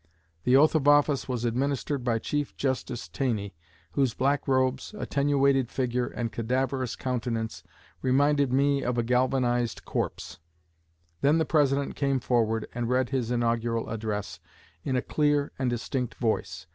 The oath of office was administered by Chief Justice Taney, whose black robes, attenuated figure, and cadaverous countenance reminded me of a galvanized corpse. Then the President came forward and read his inaugural address in a clear and distinct voice.